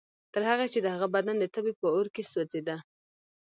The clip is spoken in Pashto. تر هغې چې د هغه بدن د تبې په اور کې سوځېده.